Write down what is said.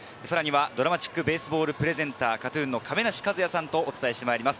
ＤＲＡＭＡＴＩＣＢＡＳＥＢＡＬＬプレゼンター・ＫＡＴ‐ＴＵＮの亀梨和也さんとお伝えしてまいります。